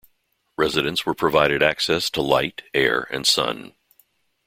Residents were provided access to light, air, and sun.